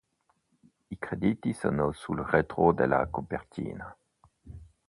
I crediti sono sul retro della copertina.